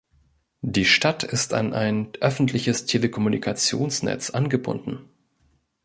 Die Stadt ist an ein öffentliches Telekommunikationsnetz angebunden.